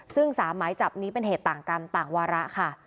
ซึ่ง๓หมายจับนี้เป็นเหตุต่างกรรมต่างวาระค่ะ